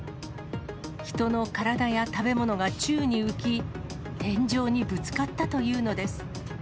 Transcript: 人の体や食べ物が宙に浮き、天井にぶつかったというのです。